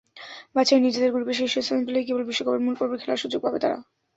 বাছাইয়ে নিজেদের গ্রুপের শীর্ষস্থান পেলেই কেবল বিশ্বকাপের মূলপর্বে খেলার সুযোগ পাবে তারা।